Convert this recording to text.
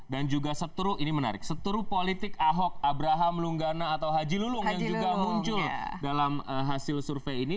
dan juga seturu ini menarik seturu politik ahok abraham lunggana atau haji lulung yang juga muncul dalam hasil survei ini